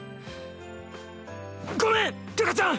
ごめんるかちゃん！